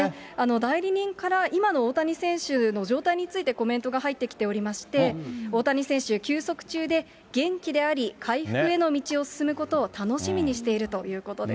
代理人から今の大谷選手の状態についてコメントが入ってきておりまして、大谷選手、休息中で元気であり、回復への道を進むことを楽しみにしているということです。